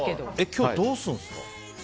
今日、どうするんですか。